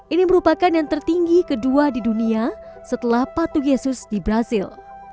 ini merupakan yang tertinggi kedua di dunia setelah patu yesus di brazil